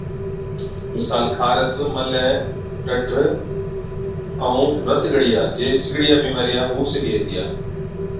مثال، خارس، ملَي، ڏَدر، ائُون رت ڳڙِيا جھيچ سِڳڙِيا بِيمارِيا هُو سِگھي هِتِيا